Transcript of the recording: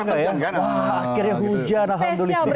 akhirnya hujan alhamdulillah